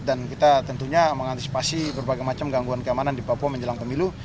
dan kita tentunya mengantisipasi berbagai macam gangguan keamanan di papua menjelang pemilu